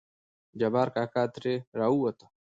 جبار کاکا ترې راووتو.